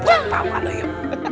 buat pak walu yo